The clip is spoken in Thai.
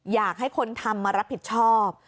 อยากให้คนทำมารับผิดชอบ